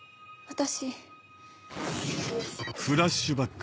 私。